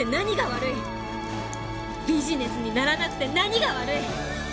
ビジネスにならなくて何が悪い！